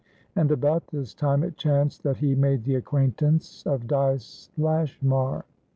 And about this time it chanced that he made the acquaintance of Dyce Lashmar.